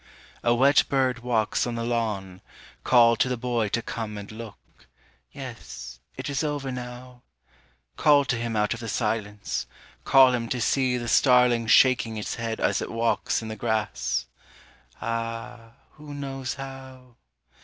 _ A wet bird walks on the lawn, call to the boy to come and look, Yes, it is over now. Call to him out of the silence, call him to see The starling shaking its head as it walks in the grass _Ah, who knows how?